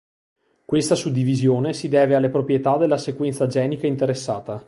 Questa suddivisione si deve alle proprietà della sequenza genica interessata.